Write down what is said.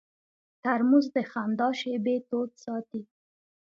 ترموز د خندا شېبې تود ساتي.